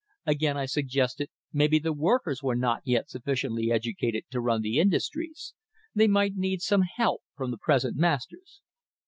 Again I suggested, maybe the workers were not yet sufficiently educated to run the industries, they might need some help from the present masters.